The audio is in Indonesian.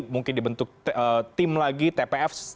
mungkin dibentuk tim lagi tpf